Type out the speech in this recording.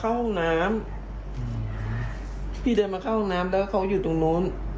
เข้าห้องน้ำพี่เดินมาเข้าห้องน้ำแล้วเขาอยู่ตรงนู้น